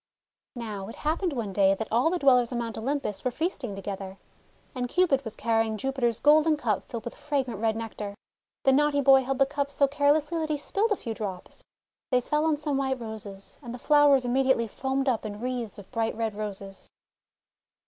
Now it happened one day that all the Dwellers on Mount Olympus were feasting together, and Cupid was carrying Jupiter's golden cup filled with fragrant red Nectar. The naughty boy held the cup so carelessly that he spilled a few drops. They fell on some White Roses, and the flowers immediately foamed up in wreaths of bright Red Roses.